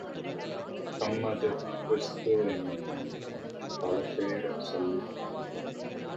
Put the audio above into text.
கம்மது, கிறிஸ்து-எனும் பலபேர் சொல்லிச்